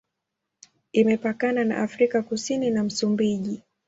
Imepakana na Afrika Kusini na Msumbiji.